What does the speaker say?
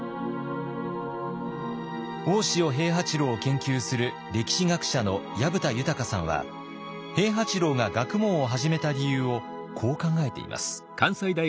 大塩平八郎を研究する歴史学者の藪田貫さんは平八郎が学問を始めた理由をこう考えています。